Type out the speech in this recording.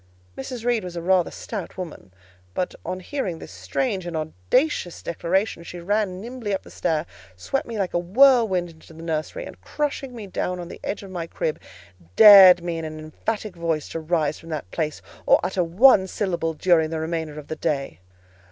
Mrs. Reed was rather a stout woman; but, on hearing this strange and audacious declaration, she ran nimbly up the stair, swept me like a whirlwind into the nursery, and crushing me down on the edge of my crib, dared me in an emphatic voice to rise from that place, or utter one syllable during the remainder of the day.